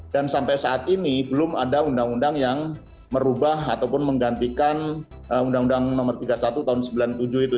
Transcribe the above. dan sampai saat ini belum ada undang undang yang merubah ataupun menggantikan undang undang nomor tiga puluh satu tahun sembilan puluh tujuh itu